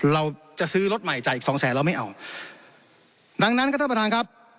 เราจะซื้อรถใหม่จ่ายอีก๒๐๐๐๐๐บาทแล้วไม่เอาดังนั้นก็ท่านประธานครับ